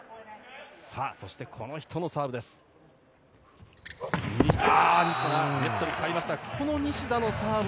そして、この人のサーブ。